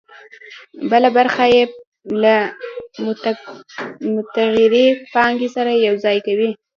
بله برخه یې له متغیرې پانګې سره یوځای کوي